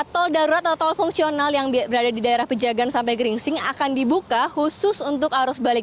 tol darurat atau tol fungsional yang berada di daerah pejagaan sampai geringsing akan dibuka khusus untuk arus balik